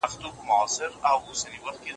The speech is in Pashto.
د ژوند تېرولو اسباب څنګه چمتو کېږي؟